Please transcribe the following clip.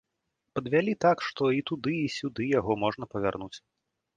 Падвялі так, што і туды, і сюды яго можна павярнуць.